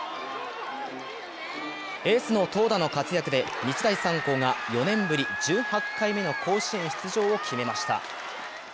エースの投打の活躍で日大三高が４年ぶり１８回目の甲子園出場を決めました。